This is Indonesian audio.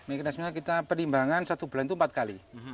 mekanismenya kita penimbangan satu bulan itu empat kali